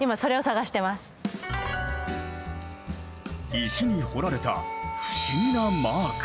石に彫られた不思議なマーク。